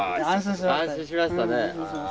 安心しました。